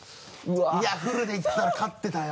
フルでいったら勝ってたよ